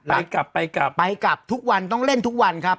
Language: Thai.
ไปกลับไปกลับไปกลับทุกวันต้องเล่นทุกวันครับ